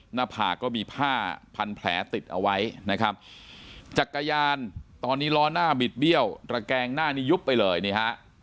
หน้าผากก็มีผ้าพันแผลติดเอาไว้นะครับจักรยานตอนนี้ล้อหน้าบิดเบี้ยวตระแกงหน้านี้ยุบไปเลยนี่ฮะ